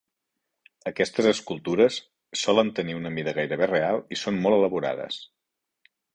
Aquestes escultures solent tenir una mida gairebé real i són molt elaborades.